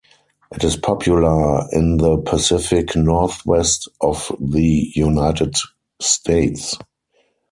It is popular in the Pacific Northwest of the United States.